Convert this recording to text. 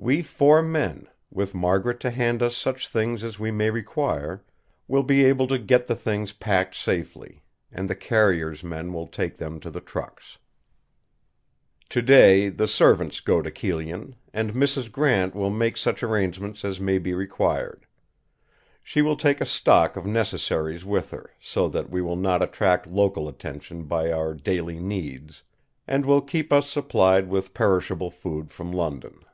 We four men, with Margaret to hand us such things as we may require, will be able to get the things packed safely; and the carrier's men will take them to the trucks. "Today the servants go to Kyllion, and Mrs. Grant will make such arrangements as may be required. She will take a stock of necessaries with her, so that we will not attract local attention by our daily needs; and will keep us supplied with perishable food from London.